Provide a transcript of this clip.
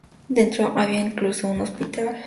Dentro había incluso un hospital.